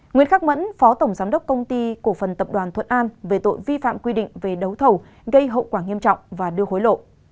nguyễn khắc mẫn phó tổng giám đốc công ty cổ phần tập đoàn thuận an về tội vi phạm quy định về đấu thầu gây hậu quả nghiêm trọng và đưa hối lộ